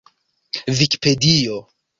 vikipedio